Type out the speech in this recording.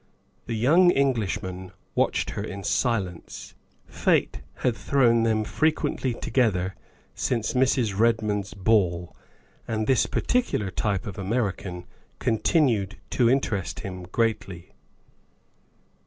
The young Englishman watched her in silence. Fate had thrown them frequently together since Mrs. Redmond's ball, and this particular type of American continued to interest him greatly.